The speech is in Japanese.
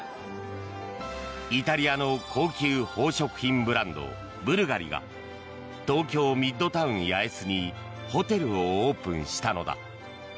イタリアの高級宝飾品ブランドブルガリが東京ミッドタウン八重洲にホテルをオープンしたのだ。